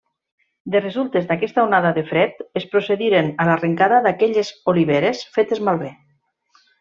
De resultes d'aquesta onada de fred, es procediren a l'arrencada d'aquelles oliveres fetes malbé.